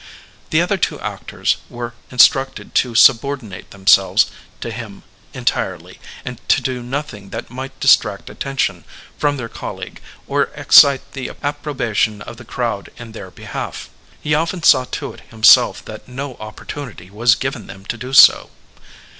The other two actors were instmcted to subordinate themselves to him entirely and to do nothing that might distract attention from their colleague or excite the appro bation of the crowd in their behalf; he often saw to it himself that no opportunity was given them to do so.